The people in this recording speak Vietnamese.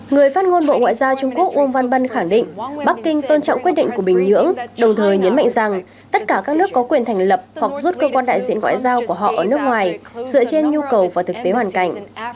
người phát ngôn bộ ngoại giao trung quốc uông văn bân khẳng định bắc kinh tôn trọng quyết định của bình nhưỡng đồng thời nhấn mạnh rằng tất cả các nước có quyền thành lập hoặc rút cơ quan đại diện ngoại giao của họ ở nước ngoài dựa trên nhu cầu và thực tế hoàn cảnh